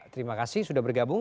terima kasih sudah bergabung